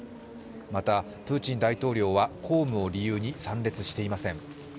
またプーチン大統領は公務を理由に参列していません。